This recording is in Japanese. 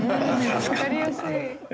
わかりやすい！